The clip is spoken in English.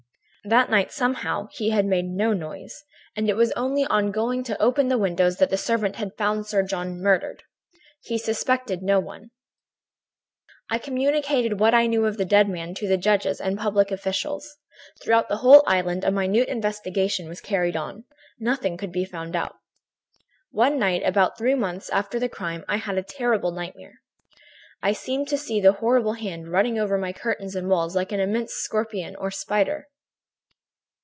"That night, somehow, he had made no noise, and it was only on going to open the windows that the servant had found Sir John murdered. He suspected no one. "I communicated what I knew of the dead man to the judges and public officials. Throughout the whole island a minute investigation was carried on. Nothing could be found out. "One night, about three months after the crime, I had a terrible nightmare. I seemed to see the horrible hand running over my curtains and walls like an immense scorpion or spider.